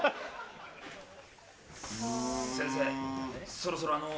先生そろそろあの。